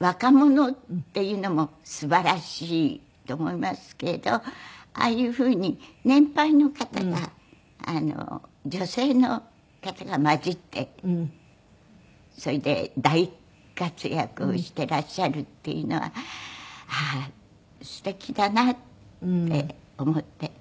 若者っていうのも素晴らしいと思いますけどああいうふうに年配の方が女性の方が交じってそれで大活躍していらっしゃるっていうのはああーすてきだなって思って。